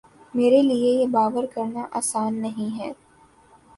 میرے لیے یہ باور کرنا آسان نہیں کہ